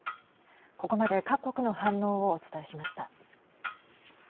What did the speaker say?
ここまで各国の反応をお伝えしました。